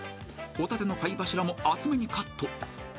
［ホタテの貝柱も厚めにカット］